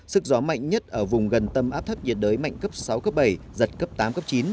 sức gió mạnh nhất ở vùng gần tâm áp thấp nhiệt đới mạnh cấp sáu cấp bảy giật cấp tám cấp chín